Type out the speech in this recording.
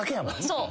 そう。